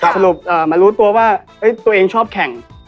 สรุปมารู้ตัวว่าตัวเองชอบแข่ง